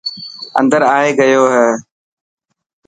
اندر آئي گيو هي.